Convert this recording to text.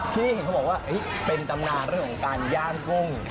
ที่เห็นเขาบอกว่าเป็นตำนานเรื่องของการย่างกุ้ง